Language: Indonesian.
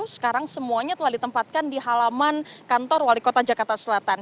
sekarang semuanya telah ditempatkan di halaman kantor wali kota jakarta selatan